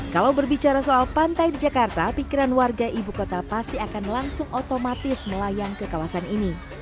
kalau berbicara soal pantai di jakarta pikiran warga ibu kota pasti akan langsung otomatis melayang ke kawasan ini